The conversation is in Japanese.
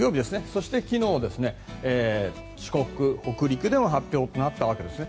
そして昨日、四国、北陸では発表となったわけですね。